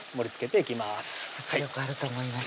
よくあると思います